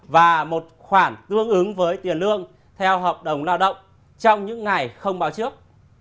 và một khoản tương ứng với tiền lương theo hợp đồng lao động trong những ngày không báo trước